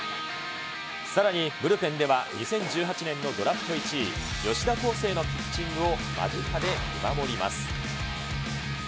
さらにブルペンでは、２０１８年のドラフト１位、吉田輝星のピッチングを間近で見守ります。